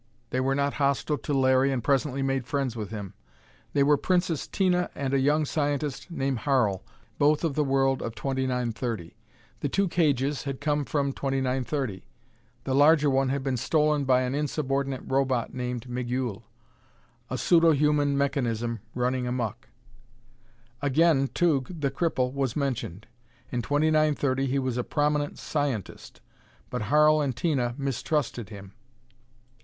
They were not hostile to Larry and presently made friends with him. They were Princess Tina and a young scientist named Harl, both of the world of 2930. The two cages had come from 2930. The larger one had been stolen by an insubordinate Robot named Migul a pseudo human mechanism running amuck. Again Tugh, the cripple, was mentioned. In 2930 he was a prominent scientist! But Harl and Tina mistrusted him.